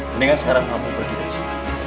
mendingan sekarang kamu pergi ke sini